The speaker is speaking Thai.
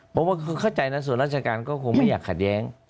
เพราะว่าเข้าใจส่วนรัชการก็คงไม่อยากขัดแย้ง